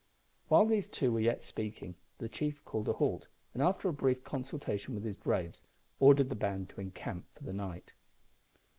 '" While these two were yet speaking, the chief called a halt, and, after a brief consultation with some of his braves, ordered the band to encamp for the night.